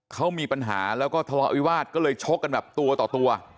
เขามีปัญหาแล้วก็ทะเลาะวิวาสก็เลยชกกันแบบตัวต่อตัว